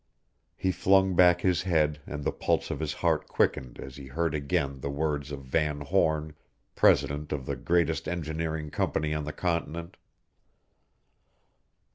He flung back his head and the pulse of his heart quickened as he heard again the words of Van Horn, president of the greatest engineering company on the continent.